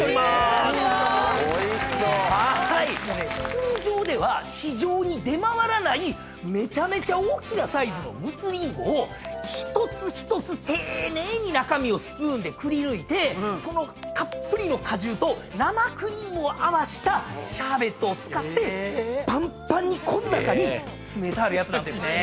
通常では市場に出回らないめちゃめちゃ大きなサイズの陸奥リンゴを一つ一つ丁寧に中身をスプーンでくりぬいてそのたっぷりの果汁と生クリームを合わせたシャーベットを使ってぱんぱんにこん中に詰めてあるやつなんですね。